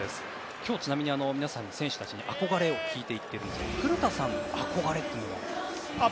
今日、ちなみに皆さん選手たちに憧れを聞いているんですが古田さんの憧れは？